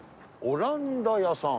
オランダ家さん？